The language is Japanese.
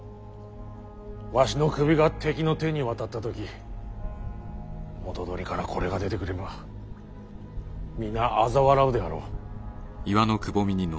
わしの首が敵の手に渡った時髻からこれが出てくれば皆あざ笑うであろう。